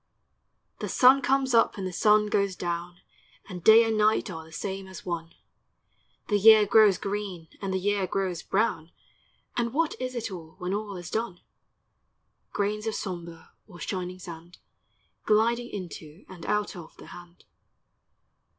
The sun comes up and the sun goes down, And day and night are the same as one; The year grows green, and the year grows brown. And what is it all, when all is done? Grains of sombre or shining sand, Gliding into and out of the hand.